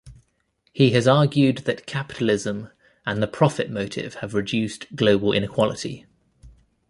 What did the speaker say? He has argued that capitalism and the profit motive have reduced global inequality.